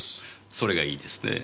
それがいいですねえ。